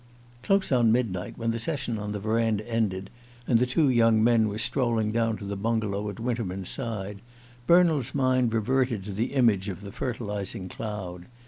Close on midnight, when the session on the verandah ended, and the two young men were strolling down to the bungalow at Winterman's side, Bernald's mind reverted to the image of the fertilizing cloud.